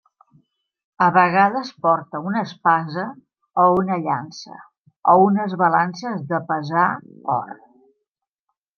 A vegades porta una espasa o una llança, o unes balances de pesar or.